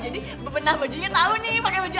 jadi benar bajunya tahu nih pakai baju apa